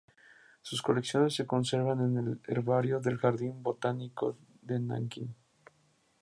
Sus colecciones se conservan en el herbario del Jardín botánico de Nanking